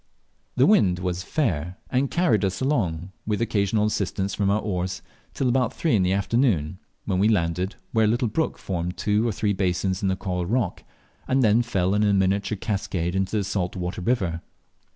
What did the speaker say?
The wind was fair, and carried us along, with occasional assistance from our oars, till about three in the afternoon, when we landed where a little brook formed two or three basins in the coral rock, and then fell in a miniature cascade into the salt water river.